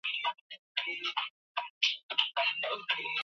Mashindano ya kwanza ya kimataifa ya kusoma Quran yafanyika Marekani